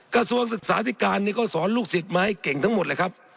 กระทรวงศึกษาธิการนี่ก็สอนลูกศิษย์มาให้เก่งทั้งหมดเลยครับ